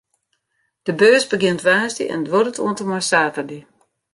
De beurs begjint woansdei en duorret oant en mei saterdei.